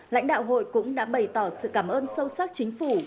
lãnh đạo hội cũng đã bày tỏ sự cảm ơn sâu sắc chính phủ